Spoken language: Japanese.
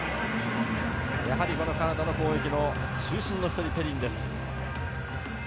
やはりカナダの攻撃の中心の１人、ペリンです。